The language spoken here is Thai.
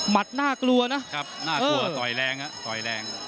มัดน่ากลัวนะอืมน่ากลัวต่อยแรงนะต่อยแรง